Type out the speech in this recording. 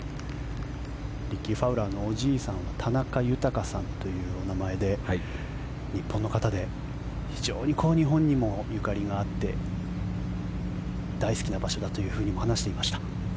リッキー・ファウラーのおじいさんは田中豊さんというお名前で日本の方で非常に日本にもゆかりがあって大好きな場所だというふうにも話していました。